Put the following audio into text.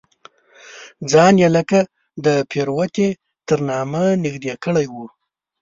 ځان یې لکه د پروتې تر نامه نږدې کړی و.